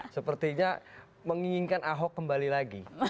sepertinya menginginkan ahok kembali lagi